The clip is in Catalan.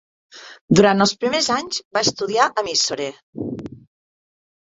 Durant els primers anys va estudiar a Mysore.